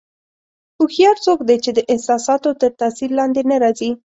هوښیار څوک دی چې د احساساتو تر تاثیر لاندې نه راځي.